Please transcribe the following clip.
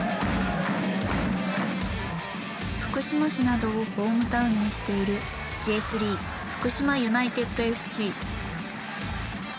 福島市などをホームタウンにしているＪ３福島ユナイテッドＦＣ。